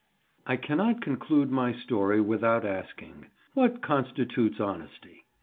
I CANNOT conclude my story without asking, What constitutes honesty?